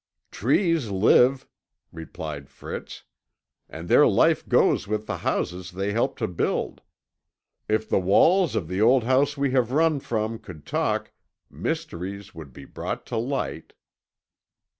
"Trees live!" replied Fritz, "and their life goes with the houses they help to build. If the walls of the old house we have run from could talk, mysteries would be brought to light."